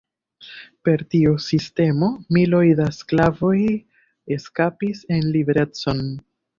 Per tiu sistemo miloj da sklavoj eskapis en liberecon.